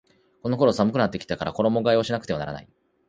この頃寒くなってきたから衣替えをしなくてはいけない